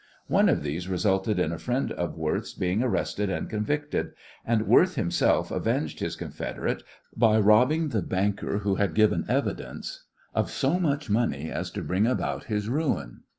One of these resulted in a friend of Worth's being arrested and convicted, and Worth himself avenged his confederate by robbing the banker who had given evidence of so much money as to bring about his ruin.